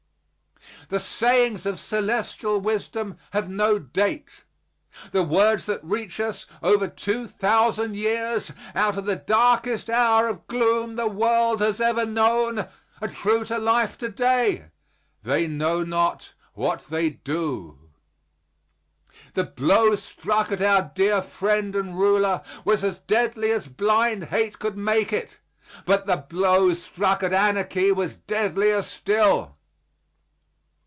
The sayings of celestial wisdom have no date; the words that reach us, over two thousand years, out of the darkest hour of gloom the world has ever known, are true to life to day: "They know not what they do." The blow struck at our dear friend and ruler was as deadly as blind hate could make it; but the blow struck at anarchy was deadlier still.